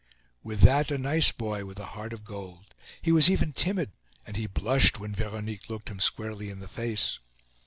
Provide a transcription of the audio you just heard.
With that, a nice boy, with a heart of gold. He was even timid, and he blushed when Veronique looked him squarely in the face.